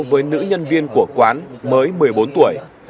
với nữ nhân viên của quán mới một mươi bốn tuổi